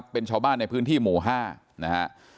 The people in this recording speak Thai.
เป็นชาวบ้านในพื้นที่หมูห้า